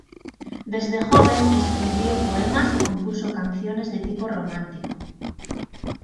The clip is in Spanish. Desde joven escribió poemas y compuso canciones de tipo romántico.